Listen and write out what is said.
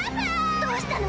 どうしたの？